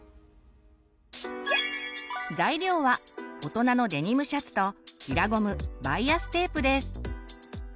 材料は大人のデニムシャツと平ゴムバイアステープです。